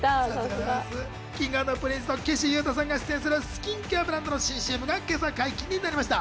Ｋｉｎｇ＆Ｐｒｉｎｃｅの岸優太さんが出演するスキンケアブランドの新ＣＭが今朝解禁になりました。